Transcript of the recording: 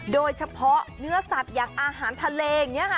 โดยเฉพาะเนื้อสัตว์อย่างอาหารทะเลอย่างนี้ค่ะ